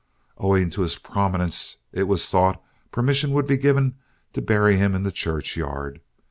Owing to his prominence it was thought permission would be given to bury him in the churchyard.